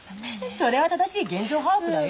それは正しい現状把握だよ。